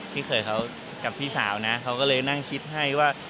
พี่เขยเขากับพี่สาวนะเขาก็เลยนั่งคิดให้ว่า